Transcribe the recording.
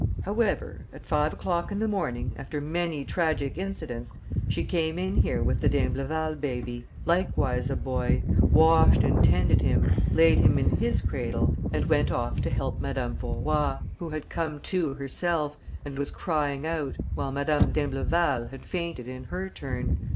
However, at five o'clock in the morning, after many tragic incidents, she came in here with the d'Imbleval baby, likewise a boy, washed and tended him, laid him in his cradle and went off to help Madame Vaurois, who had come to herself and was crying out, while Madame d'Imbleval had fainted in her turn.